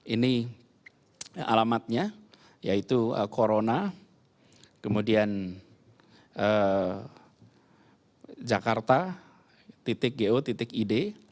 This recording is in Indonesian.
ini alamatnya yaitu corona kemudian jakarta go id